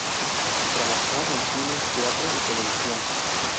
Trabajo en cine, teatro y televisión.